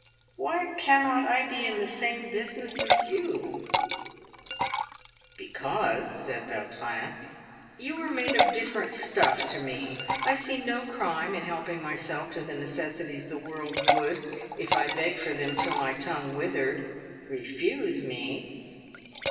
" Why cannot I be at the same business as you ?"" Because," said Vautrin, "you are made of different stuff to me. I see no crime in helping myself to the necessities the world would, if I begged for them till my tongue withered, refuse me."